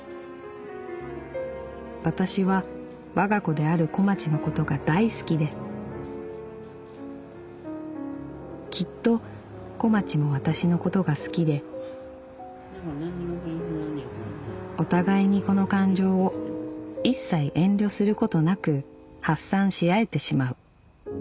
「私は我が子である小町のことが大好きできっと小町も私のことが好きでお互いにこの感情を一切遠慮することなく発散し合えてしまう。